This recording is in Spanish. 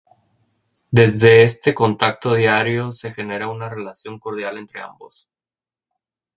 De este contacto diario se genera una relación cordial entre ambos.